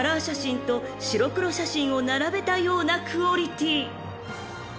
写真と白黒写真を並べたようなクオリティー］